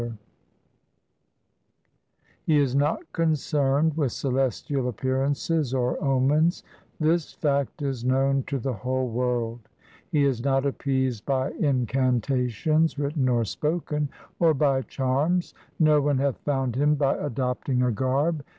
X 2 3 o8 THE SIKH RELIGION He is not concerned with celestial appearances or omens ; This fact is known to the whole world. He is not appeased by incantations, written or spoken, or by charms. No one hath found Him by adopting a garb.